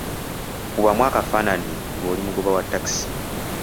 Kubamu akafaananyi ng'oli mugoba wa takisi.